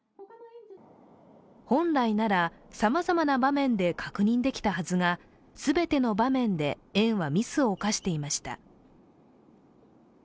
本来なら、さまざまな場面で確認できたはずが全ての場面で園はミスを犯していました。